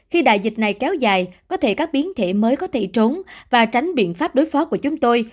khi đại dịch này kéo dài có thể các biến thể mới có thể trốn và tránh biện pháp đối phó của chúng tôi